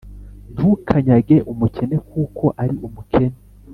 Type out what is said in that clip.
ntukanyage umukene kuko ari umukene,